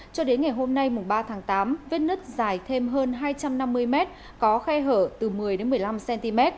cho đến ngày hôm nay mùng ba tháng tám vết nứt dài thêm hơn hai trăm năm mươi mét có khe hở từ một mươi một mươi năm cm